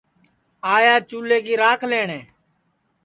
آیا چُولے کی راکھ لئٹؔے